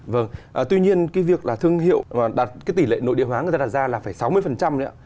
vâng tuy nhiên cái việc là thương hiệu đặt cái tỷ lệ nội địa hóa người ta đặt ra là phải sáu mươi nữa